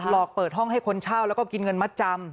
หลอกเปิดห้องให้คนเช่าแล้วก็กินเงินมัดจำ